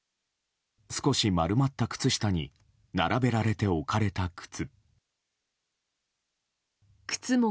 少し丸まった靴下に並べられて置かれた靴。